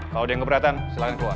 kalau ada yang keberatan silahkan keluar